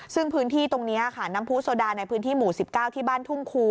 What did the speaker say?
ซึ่งพื้นที่ตรงนี้ค่ะน้ำผู้โซดาในพื้นที่หมู่๑๙ที่บ้านทุ่งคู